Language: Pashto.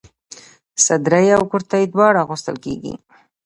صدرۍ او کرتۍ دواړه اغوستل کيږي.